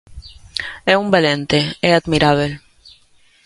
É un valente, é admirábel.